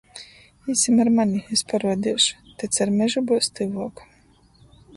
Īsim ar mani, es paruodeišu. Te car mežu byus tyvuok.